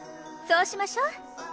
そうしましょ。